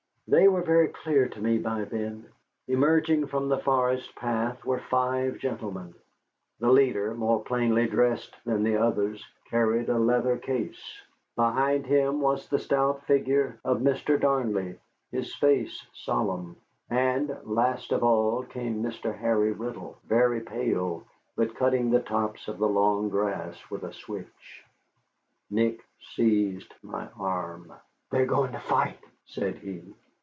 They were very clear to me by then. Emerging from the forest path were five gentlemen. The leader, more plainly dressed than the others, carried a leather case. Behind him was the stout figure of Mr. Darnley, his face solemn; and last of all came Mr. Harry Riddle, very pale, but cutting the tops of the long grass with a switch. Nick seized my arm. "They are going to fight," said he.